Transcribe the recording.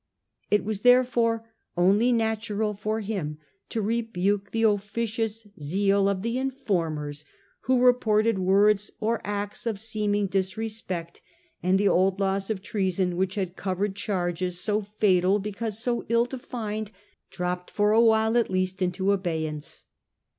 It was therefore only natural for him to rebuke the officious zeal of the informers who reported words or acts of seeming dis respect, and the old laws of treason which had covered charges, so fatal because so ill defined, dropped for a while at least into abeyance.